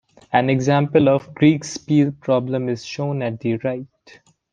An example of a Kriegspiel problem is shown at the right.